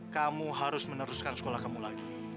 kamu harus meneruskan sekolah kamu lagi